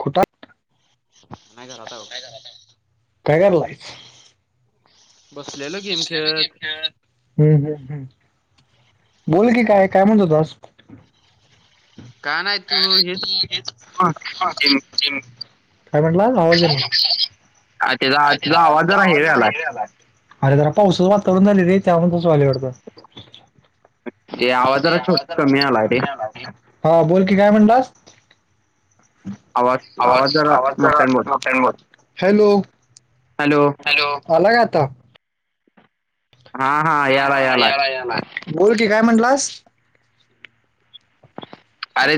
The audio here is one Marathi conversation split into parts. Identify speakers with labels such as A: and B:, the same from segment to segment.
A: खुट आहे
B: नाही घरात आहे बघ
A: कायकरलाय.
B: बसलेलो गेम
A: बसलेलो कीं खेळत. बोल की काय, काय म्हणत होतास.
B: का नाही तू हेच [unintelligible]
A: काय म्हटला? हजला
B: त्याचा तुझा आवाज जरा हे आलाय
A: हेला [unintelligible] अरे जरा पाऊसचं वातावरण झाले रे, त्यामुळे तसं व्हयल वाटत.
B: ते आवाज, जरा छोट कमी आला रे.
A: हा बोल, की काय म्हणलास? आवाज,
B: जरा
A: आवाज जरा
B: मोठ्याने बोल
A: मोठ्यानं बोल, हॅलो.
B: हॅलो!
A: हॅलो आलाय आता? हा, हा, याला, याला, बोल की काय म्हणलास.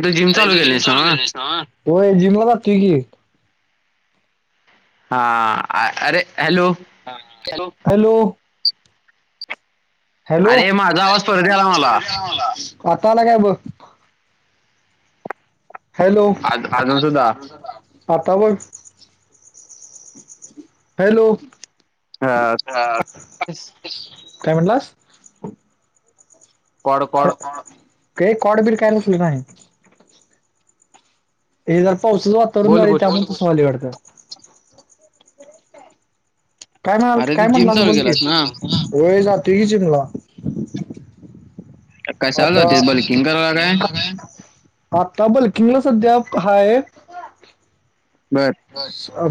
B: तू जिम
A: अरे तू जिम
B: केलीस ना
A: चालू केलस नव, व्हयं जिमला जातुय की.
B: हा आ अरे हॅलो!
A: हॅलो! हॅलो
B: माझा आवाज
A: अरे.
B: परत
A: माझा
B: आला
A: आवाज मला [unintelligible] आता आला काय ब हॅलो!
B: आज- अजून सुद्धा
A: आता बघ हॅलो!
B: अ,
A: काय म्हणलास?
B: कॉड कॉड
A: काही कॉडबिड काय नसलं माही. हे जर पावसाचं वातावरण
B: बोल
A: झाले
B: बोल
A: त्यामुळे तुसली घडतात. काय म्हणा
B: अरे
A: काय
B: जिम
A: म्हटला तू
B: चालू
A: बोलकीी
B: केलास ना
A: वय जा तो की जीमला
B: कशाला
A: आता
B: जातेस बल्किंग करायला
A: ब्लँकिंगच नाव काय आत्ता बल्किंगला सध्या हाय.
B: बरं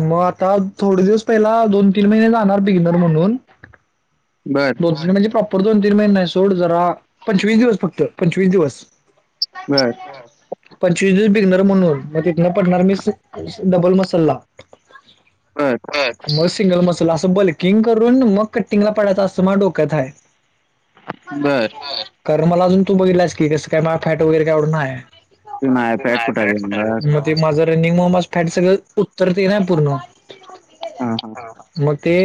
A: मग आता थोडे दिवस पहिला दोन तीन महिने जाणार बिगनर म्हणून
B: बर
A: आणि म्हणजे प्रॉपर दोन तीन महिन नाही सोड जरा पंचवीस दिवस फक्त पंचवीस दिवस.
B: बर
A: पंचवीस दस बिगनर म्हणून मग तिथून पडणार मी डबल मसाला.
B: बर बर
A: मग सिंगल मसला असं बल्किंग करून मग कटिंगला पडायचं असतं मग डोक्यात आहे.
B: बरं
A: कारण मला अजून तू बघितलास की कसं काय माझं फॅट वगैरे काय एवढं नाय.
B: ते नाही पॅट
A: नाय
B: कुठं आहे
A: फॅट
B: मग?
A: कुटय. ते माझं रनिंग मुळे फॅट सगळं उत्तर ते ना पूर्ण
B: हा हा
A: मग ते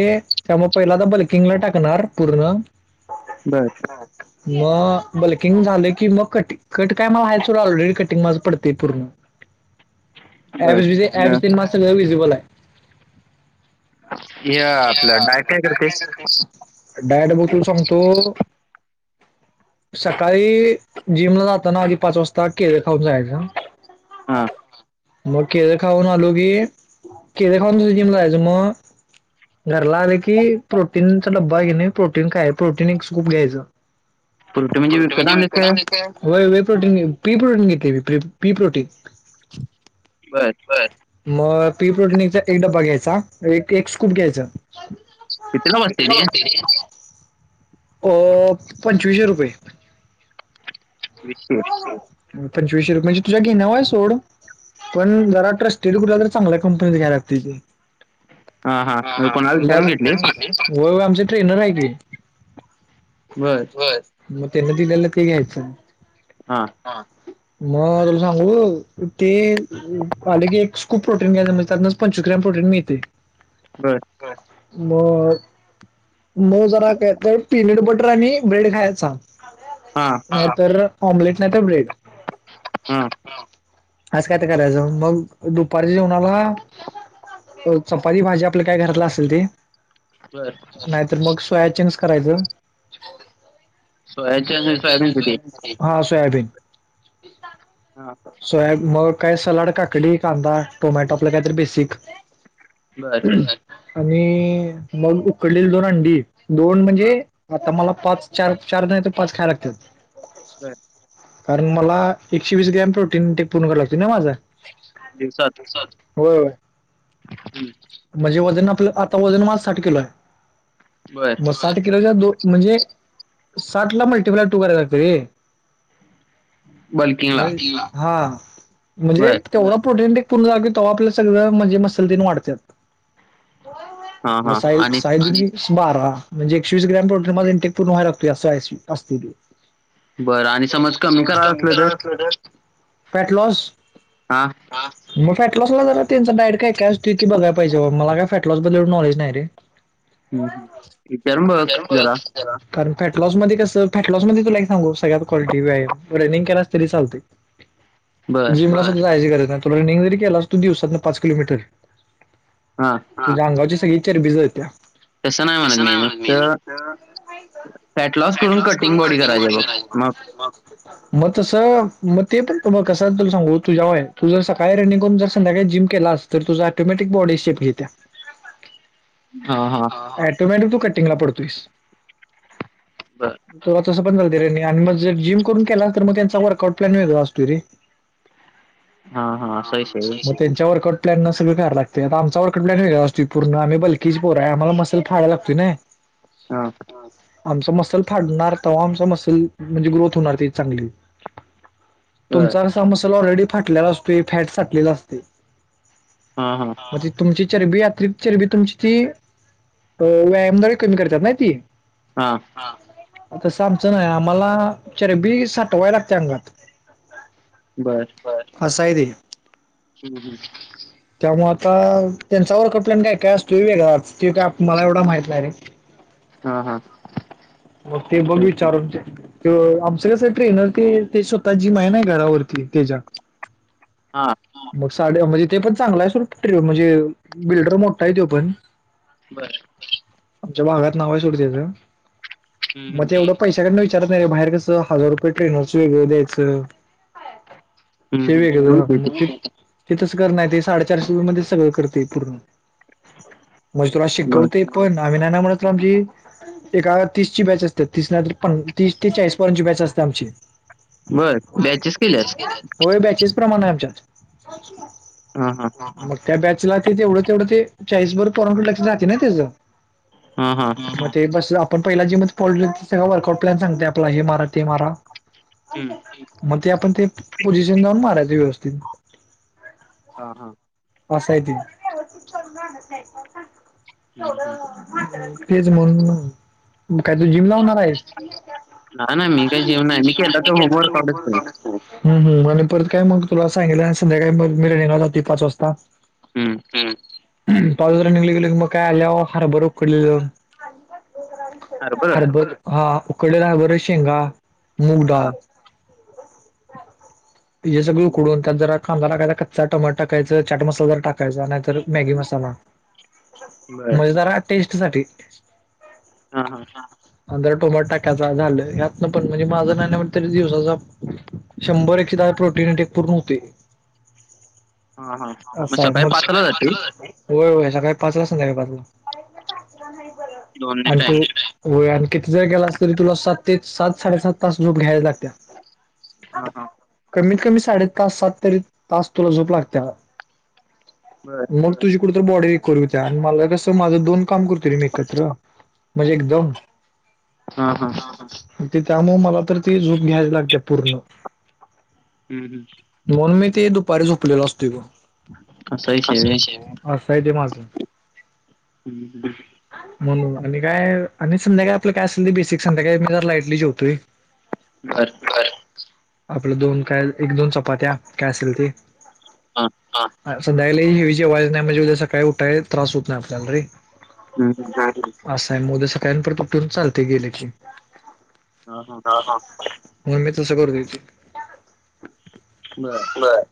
A: त्यामुळे पहिल्यांदा बल्किंगला टाकणार पूर्ण
B: बरं
A: हो मग बल्किंग झालं की मग कटि कट काय मला व्हायचं ऑलरेडी कटिंग माझ पडते पूर्ण
B: बर अं,
A: माझं सगळं विजिबल आहे. हे आपलं डाएट काय करतोयस डाएट बघ तुला सांगतो. सकाळी जिमला जाताना आधी पाच वाजता केळ खाऊन जायच.
B: हां
A: मग केळ खाऊन आलो की केळ खाऊन तस जीम लायचं मग घरला आले की प्रोटीनचा डब्बा घेणे प्रोटीन खाय प्रोटीन एक खूप घ्यायचं.
B: पुरटी
A: प्रोटीन म्हणजे
B: आणलीस
A: विकत
B: काय
A: आणायचं. होय व प्रोटीन पी प्रोटीन किती पी प्रोटीन
B: बर
A: मग पी प्रोटीनचा एक डबा घ्यायचा एक एक स्कूप घ्यायच. कितीला असते ते अ पंचवीशे रुपये.
B: वीसशे
A: पंचवीशे रुपय म्हणजे तुझ्या घेण्यावर आहे सोड. पण जरा ट्रस्टेड कुठला तर चांगल्या कंपनीत घ्याय
B: हा हा म्हणजे कोणाला विचारून
A: लाग
B: घेतलीस
A: त व आमचे ट्रेनर आहे की
B: बरं
A: मग त्यांनी दिल्या आहे ते घेयच.
B: हां
A: हा मग तुला सांगू ते आले की एक स्कूप प्रोटीन घ्याय म्हजे त्यान पंचवीस ग्राम प्रोटीन मिळते.
B: बर
A: मग नऊ जरा का तर पीनट बटर आणि ब्रेड खायचा.
B: हां
A: नंतर ऑमलेट नाही तर ब्रेड
B: हम्म
A: अस काय ते करायचं मग दुपारच्या जेवणाला. चपाती भाजी आपल्या काय घरातला असेल त
B: बर.
A: तर मग सोयाचंक्स करायचं
B: सोयाचे सोयाबीन किती
A: सोयाचंकच. हा सोयाबीन
B: हा
A: सोयाबी मग काय सलाड काकडी कांदा टोमॅटो आपलं काहीतरी बेसिक
B: बर
A: आणि मग उकडलेली दोन अंडी दोन
B: हा
A: म्हणजे आता मला पाच चार चार नाही तर पाच खायला लागतीलात.
B: हम्.
A: कारण मला एकशे वीस ग्रॅम प्रोटीन टेक पूर्ण कराय लागत ना माझ.
B: दिवसात
A: होय होय.
B: हम्म,
A: म्हणजे वजन आपलं आता वजन माझं साठ किलो हाय.
B: बरं.
A: साठ किलो दो म्हणजे साठ ला मल्टीप्लाय टू करायला लागत रे.
B: बल्किंगला
A: बोल की हा म्हणजे
B: बर
A: तेवढ प्रोटीन टेक पूर्ण तेव्हा आपल सगळं म्हणजे मसल त्यन वाढत्यात होय होय.
B: हा
A: म
B: हा
A: साहिब
B: आणि
A: साहेबची. बारा म्हणजे एकशेवीस ग्रॅम प्रोटेल मध्ये इंटेक पूर्ण व्हाय लागतय अस असतय ते. बर आणि समज कमी कराच असल तर फॅट लॉस
B: हा.
A: हा मग फॅटलॉसला जरा त्यांच डायट काय काय असत की बघाय पाहीजे मला काय फॅटलॉस बद्दल नॉलेज नाही रे.
B: [inaudible]
A: होय
B: हम्म.
A: होय
B: विचारून बघ
A: करून बघा
B: जरा
A: की कारण फॅटलॉस मध्ये कस फॅटलॉस मध्ये तुला? सगळ्यात कालटी व्यायाम रनिंग केलास तरी चालतय
B: बर
A: जीमला जा. जायची गरज नाही रनिंग जरी केलास तो दिवसात ना पाच किलोमीटर
B: हा.
A: तु्झ्या अंगाव सगळी चरबी जळत्या.
B: तसं
A: तस
B: मी
A: नाही म्हणत
B: नुसतं
A: मी फॅट लॉस करून कटिंग बॉडी. हो. मग तसं मग ते पण त कस तुला सांगू तुझ्याव्हा आहे तू जसं काय रनिंग करून जर संध्याकाळी जिम केलास. तर तुझा ऑटोमॅटीक बॉडी शेप घेत्या.
B: हा हा.
A: ऑटोमॅटीक तू कटिंगला पडतोयस
B: बर
A: त तस. र आणि मग जर जिम करून केला तर मग त्यांचा वर्क आउट प्लॅन वेगळा असतोय रे. हा
B: असा
A: हा
B: विषय
A: असय
B: आहे.
A: व्ह्यय. त्यांच्या वर्कआउट प्लॅन न सगळं कराय लागते आता आमचा वर्काउटप्लॅन वेगळाअसतोय पूर्ण आता आम्ही बल्की पोर हाय आम्हाला मसल फाडाय लागतय नाही.
B: हा.
A: आमचा मसल फाडणार तेव्हा आमचा मसल म्हणजे ग्रोथ होणार चांगली.
B: [unintelligible]
A: तुमचासाा मसल ऑलरेडी फाटलेला असतो फॅट फाटलेला असतय.
B: हा हा.
A: मग तुमची चरबी यात्री चरबी तुमची ती व्यायामद्वारे कमी करतात नाही ती.
B: हां.
A: तसं आमचं नाही आम्हाला चरबी साठवाय लागत्या अंगात
B: बर.
A: ह असाय ते
B: हम्म हम.
A: त्यामुळे आता त्यांचा वर्कआउट काय काय असतोय वेगळा त काय मला एवढा माहित नाही आहे रे.
B: हा हा.
A: मग ते बघ विचारून तो आमच कसं ट्रेनर ते ते स्वतः जीम हाय ना घरावरती त्याच्यात
B: हा
A: मग साड म्हणजे ते पण चांगलं आहे सू म्हणजे बिल्डर मोठा आहे तो पण
B: बरं
A: आमच्या भागात नाव हाय सोडत्याच
B: हम्म
A: मग
B: हम्म.
A: तेवढं पैशकडनं विचारत नाही रे बाहेर कसं हजार रुपये ट्रेनरच वेगळ द्यायचं
B: हम्म
A: शेव
B: हम्म.
A: आहे
B: तू बॅचेस
A: कदा हेिथस करणार ते साडेचारशे रुे मध्ये सगळं करते पूर्ण मज तुला
B: बर
A: शिकवते पण नावी ना म्हण आची एका तीसची बॅच असते तीस प तीस ते चाळीस पर्यची बॅच असते आमची
B: बर बॅचेस केल्यात
A: होय बॅचेस प्रमाण आहे आमच्यात
B: हा हा
A: मग त्या बॅचला ते तेवढं तेवढं ते चाळीसभर परंटू लक्ष जाते ना त्याचं
B: हा हा
A: म ते बस पण पहि ज म पॉल सग वकउट प्लन सांगते आप हे मारा ते मारा
B: हम्म
A: मग ते आपण ते पोझिशन जाऊन मारायची व्यवस्था
B: ह हा
A: हसयथ
B: हम्म हम्
A: तेच म्हण ना मग काय तू जिमला
B: तेच.
A: होणार आहे
B: नाही नाही मी काही जेवण नाही मी केला तर होम वर्कआउटच करेन.
A: हम् हम आणि परत काय मग तुला सांगितलं संध्याकाळी म मी रनला जाती पाच वाजता
B: हम्म
A: पा्र निघली गेले म काय अल्या हार बरो कडलेल
B: हरभरा
A: हरबर हा उकडलेला बर शेंगा मूग
B: हा
A: डाळ हे सगळ
B: हम्म.
A: उडून त्यात जरा खांदाला लागायचा कच्चा टमाट टाकायचा चाट मसाला जर टाकायचा नाहीतर मॅगी मसाला
B: बर
A: मजेदार टेस्ट साठी
B: हा हा
A: अंदर टोमाट टाकायचा झालं यात ना पण म्हणजे माझं नाही तरी दिवसाचा शंभर एके प्रोटीनट पूर्ण हो्हते
B: हा हा मग
A: असं
B: सकाळी पाचला जाते
A: आहे होय होय सकाळी पाच ला संध्याळी पाचला
B: दोन्ही
A: आणि
B: टाइम
A: तू होय आणि किती जर गेला अस तरी तुला सात ते सात साडेसात तास लोप घ्यायला लागतात
B: हा हा
A: कमीत कमी साडे तास सात तरी तास तुला झोप लागते
B: बर
A: मग तुझी कुठ तर बॉडी म कर हो त्या्या आणि मला कसं माझं दोन काम करते मी एकत्र म्हणजे एकदम
B: हा हा
A: त्यामु मला तर ती झूप घ्यावी लागते पूर्ण
B: हम् हम्
A: म्हणून मी ते दुपारी झोपलेल असत ग
B: असा विषय
A: अस
B: आहे व्हय.
A: अ सईद माझून
B: हम् ह
A: म्हणून आणि काय आणि संध्याकाय आपलं काय असेल ते बेसिक संध्याकाय मी जर लाईटली जेवतोय
B: बर
A: आपलं दोन काय एक दोन चपात्या काय असेल ती
B: हां.
A: संध्यायला हवीची आवाज नाही म्हणजे उद्या सकाळी उठाय त्रास होत नाही आपल्याला रे
B: हम् ह
A: आ गेली असं आहे म उद्या सकाळ्यां परत उठून चालते गेले की.
B: हां, हां.
A: आ... हा... म्हणून मी तसं करतोय की
B: बरं.
A: बर...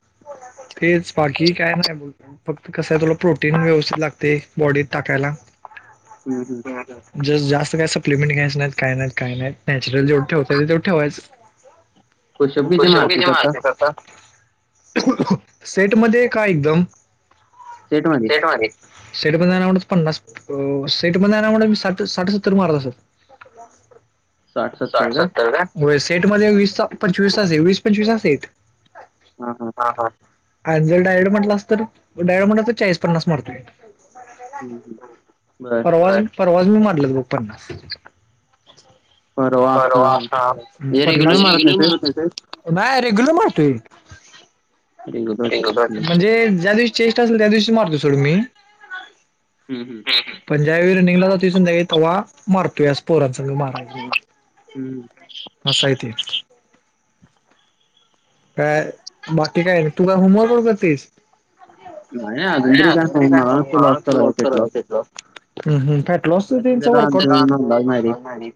A: तेच बाकी काय नाय बोलत. फक्त कसं ए... तुला प्रोटीन व्यवस्थित लागतंय, बॉडीत टाकायला
B: हं, हं.
A: ज... जास्त काय सप्लिमेंट घ्यायचे नाईत.. काय नाईत काय नाईत... नॅचरल जेवढं ठेवता येईल... तेवढं ठेवायचं
B: पुश उप किती मारतोयस आता?
A: आता... सेटमधे का एकदम?
B: सेट मधी
A: सेट मधी... सेट मध्ये नाई नाई म्हंटलं तरी पन्नास... सेटमध्ये मी नाई नाई म्हंटलं तरी सा... साठ सत्तर मारत असल [unintelligible] साठ सत्तर का? होय... सेट मध्ये वीसचा पंचवीसचाच हे... वीस पंचवीसचा सेट
B: हां, हां.
A: [unintelligible] हा हा आण... जर डायरेक्ट म्हटलास तर... डायरेक्ट म्हणला तर चाळीस पन्नास मारतोय मला द्या
B: हं, हं.
A: लाटून...
B: बरं.
A: परवा अन परवाच... मी मारल्यात बग पन्नास
B: हां,
A: परवा [unintelligible]
B: हां.
A: हम्म...
B: म्हणजे
A: पन्नास..
B: मारत
A: रेग्युलर
B: नाहीस?
A: मारतोएस?.. नाय... रेग्युलर मारतोय
B: व्हय? रेग्युलर.
A: [unintelligible]
B: हं, हं.
A: म्हणजे... ज्या दिवशी चेस्ट असेल त्या दिवशी मारतोय सोड मी
B: हम्म हम्म.
A: हम्म... पंजाब विरुद्ध निगला होता... ती संध्याकाळी तव्हा मारतोयास पोरांसग माराय गेल
B: हम्म.
A: असं ए ते काय... बाकी काय नई... तू काय होमवर्क वर करतोयस?
B: नाही, नाही
A: नई अजून तरी
B: नाही.
A: काय
B: मला
A: प्रॉब्लेम
B: नसतं लॉस
A: आला
B: करायला फेट लॉस.
A: नई [unintelligible] तू [unintelligible] हम्म हम्म... फॅटलॉसचा
B: आता
A: त्यांचा
B: जरा
A: वर्क आउट...
B: अजून
A: रामदेव
B: अंदाज नाही रे.
A: होणार नाय मी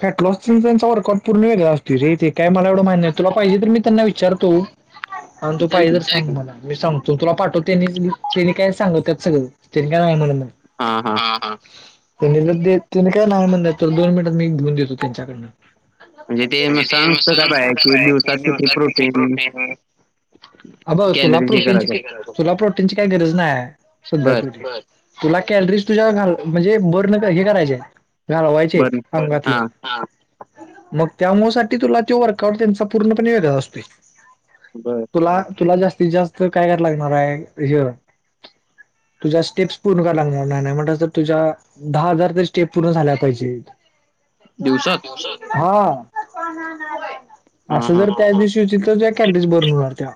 A: फॅटलॉसचा त्यांचा वर्कआउट पूर्ण वेगळा असतोय रे... ते काय मला एवढं माहीत नई... तुला पाहिजे तर मी त्यांना विचारतो... आणि तु
B: विचार
A: पाहिजे
B: की.
A: तर सांग मला... मी सांग तु... तुला पाठवतो... तेनी... तेनी काय सांगयत्यात सगळं... तेनी काय होणार नाय
B: हा हा.
A: हा हा, तेंनी जर दे... तेंनी काय नाही म्हणलं.... तर दोन मिनिटात मी घेऊन देतो त्यांच्याकडनं
B: ते
A: म्हणजे
B: नुसतं नुसतं काय पाहिजे की
A: ते [inaudible] दिवसात किती
B: प्रोटीन,
A: प्रोटिन हा बग... तुला
B: कॅलरीज हे
A: प्रोटीनची
B: करायचं.
A: काई... तुला प्रोटीनची काई गरज नाय... सध्या
B: बरं,
A: तरी. बर... तुला कॅलरीज तुझ्या... घाल... म्हणजे बर्न... काय हे करायच्या घालवायच्यात
B: बरं.
A: अंगातलं
B: हां,
A: हा... मग तत्यामुळंसाठी... तुला त्यो वर्कआउट... त्यांचा पूर्णपणे येगळा असतोय
B: बरं.
A: तुला... तुला... जास्तीत जास्त काय कराय लागणार हाय... हय तुझ्या स्टेप्स पूर्ण कराया लागणार... नाय नाय म्हंटला तर तुझ्या दहा हजार तरी स्टेप पूर्ण झाल्या पाहिजेत.
B: दिवसात?
A: हा...
B: हां,
A: असं
B: हां.
A: जर त्या दिशी [unintelligible] ज्या कॅलरीज बर्न होणार त्या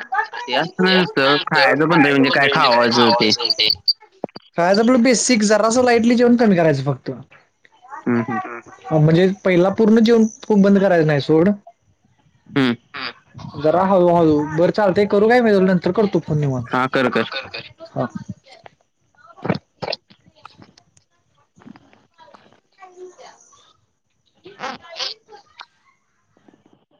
B: ते असं नसतं
A: ना... तेवढं....
B: पण रे
A: खायचं... म्हणतोय म्हणजे काय
B: खावायचं
A: खाव्हायचं ते खायचं... आपलं बेसिक... जरासं... लाइटली जेवण कमी करायचं... फक्त... हम्म. अ... म्हणजे पहिला पूर्ण जेवण... खूप बंद करायचं नाई सोड
B: हूं.
A: जरा हळू हळू.... बरं चालतंय... करू काय मी तुला नंतर करतो फोन... निवांत... हा कर कर हा. [unintelligible]